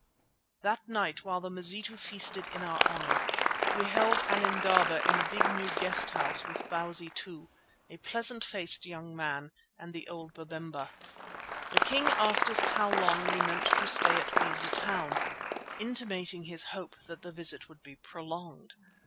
That night, while the Mazitu feasted in our honour, we held an indaba in the big new guest house with Bausi II, a pleasant faced young man, and old Babemba. The king asked us how long we meant to stay at Beza Town, intimating his hope that the visit would be prolonged.